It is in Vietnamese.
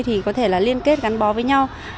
thì có thể liên kết gắn bó với nhau